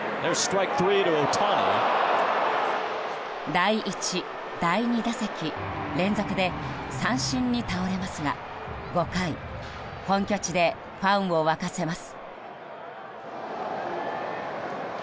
第１、第２打席連続で三振に倒れますが５回、本拠地でファンを沸かせます。